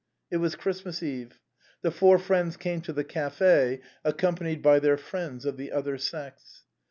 It was Christmas eve. The four friends came to the café, accompanied by their friends of the other sex.